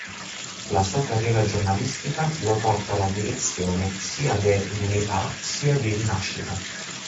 La sua carriera giornalistica lo porta alla direzione sia de "l'Unità", sia di "Rinascita".